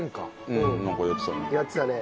うんなんかやってたね。